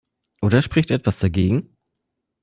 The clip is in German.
Oder spricht etwas dagegen?